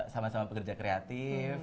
sama sama pekerja kreatif